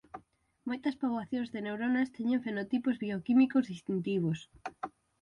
Moitas poboacións de neuronas teñen fenotipos bioquímicos distintivos.